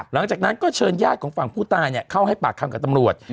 หลังจากนั้นก็เชิญญาติของฝั่งผู้ตายเข้าให้ปากคำกับตำรวจ